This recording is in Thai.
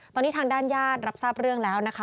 ตอนนี้ทางด้านญาติรับทราบเรื่องแล้วนะคะ